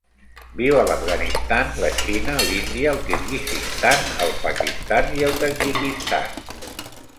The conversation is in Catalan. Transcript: Viu a l'Afganistan, la Xina, l'Índia, el Kirguizistan, el Pakistan i el Tadjikistan.